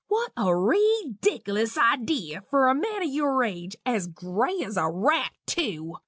What a reedickilous idee for a man o' your age! as gray as a rat, tew!